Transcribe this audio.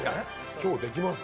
今日できますか？